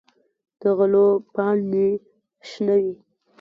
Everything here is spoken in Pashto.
د غلو پاڼې شنه وي.